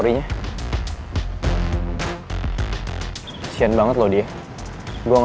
kayak gini ga kerja kesana